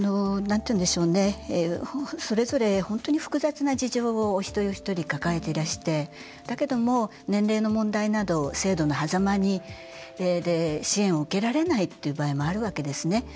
それぞれ本当に複雑な事情をお一人お一人、抱えていらしてだけども、年齢の問題など制度のはざまで支援を受けられないという場合もあるわけですね。